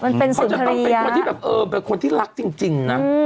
มันเป็นคนจะต้องเป็นคนที่แบบเออเป็นคนที่รักจริงนะ